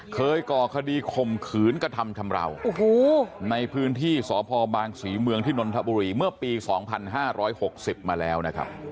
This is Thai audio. ก่อคดีข่มขืนกระทำชำราวในพื้นที่สพบางศรีเมืองที่นนทบุรีเมื่อปี๒๕๖๐มาแล้วนะครับ